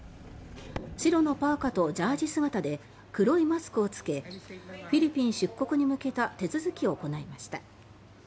白のパーカとジャージー姿で黒いマスクを着けフィリピン出国に向けた手続きを行いました。